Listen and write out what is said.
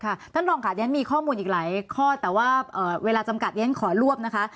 ค่ะท่านรองการยั้นมีข้อมูลอีกหลายข้อแต่ว่าเวลาจำกัดยั้นขอรวบนะคะ